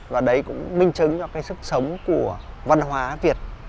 và đấy cũng minh chứng cho cái sức sống của văn hóa việt